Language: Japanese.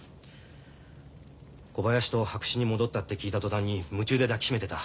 小林と白紙に戻ったって聞いた途端に夢中で抱き締めてた。